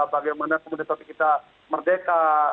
bagaimana pemuda saat kita merdeka